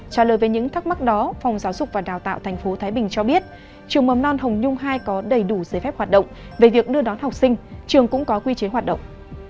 trả lời về những thắc mắc đó phòng giáo dục và đào tạo tp thái bình cho biết trường mầm non hồng nhung hai có đầy đủ giấy phép hoạt động về việc đưa đón học sinh trường cũng có quy chế hoạt động